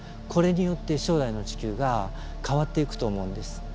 これによって将来の地球が変わっていくと思うんです。